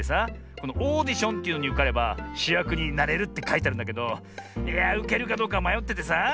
このオーディションというのにうかればしゅやくになれるってかいてあるんだけどいやうけるかどうかまよっててさ。